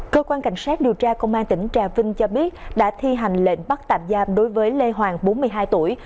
cơ quan cảnh sát điều tra công an tỉnh trà vinh cho biết đã thi hành lệnh bắt tạm giam đối với lê hoàng bốn mươi hai tuổi